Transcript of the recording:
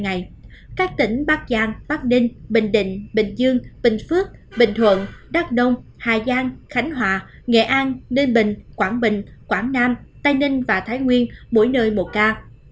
các tỉnh bắc giang bắc ninh bình định bình dương bình phước bình thuận đắk nông hà giang khánh hòa nghệ an ninh bình quảng bình quảng nam tây ninh và thái nguyên mỗi nơi một ca